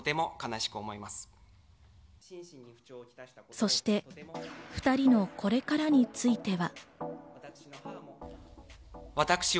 そして２人のこれからについては。